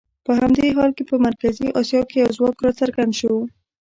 په همدې حال کې په مرکزي اسیا کې یو ځواک راڅرګند شو.